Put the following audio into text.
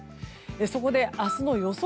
そこで、明日の予想